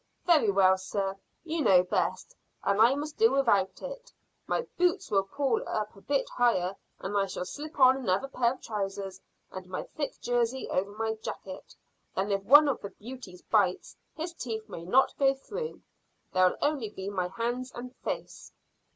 "Very well, sir; you know best, and I must do without it. My boots will pull up a bit higher, and I'll slip on another pair of trousers and my thick jersey over my jacket; then if one of the beauties bites, his teeth may not go through. There'll only be my hands and face."